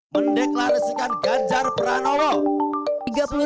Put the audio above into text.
mendeklarasikan ganjar pranowo